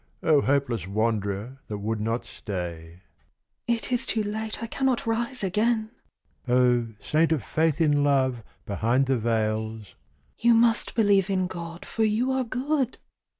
O hopeless wanderer that would not stay, ("It is too late, I cannot rise again!") O saint of faith in love behind the veils, ("You must believe in God, for you are good!")